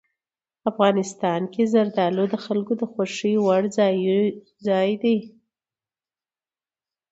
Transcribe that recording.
افغانستان کې زردالو د خلکو د خوښې وړ یو ځای دی.